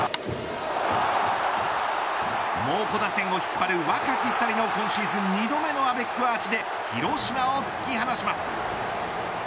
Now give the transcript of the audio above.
猛虎打線を引っ張る若き２人の今シーズン２度目のアベックアーチで広島を突き放します。